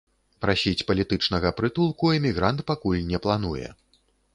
Прасіць палітычнага прытулку эмігрант пакуль не плануе.